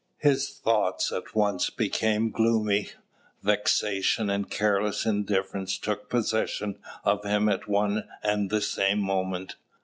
His thoughts at once became gloomy. Vexation and careless indifference took possession of him at one and the same moment.